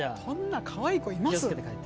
こんなかわいい子います？